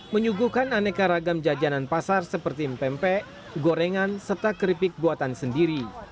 menyuguhkan aneka ragam jajanan pasar seperti mpe mpe gorengan serta keripik buatan sendiri